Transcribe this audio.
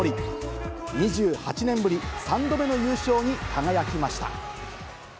２８年ぶり３度目の優勝に輝きました。